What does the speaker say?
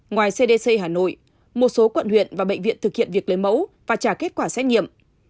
ngoài cdc hà nội một số quận huyện và bệnh viện thực hiện việc lấy mẫu và trả kết quả xét nghiệm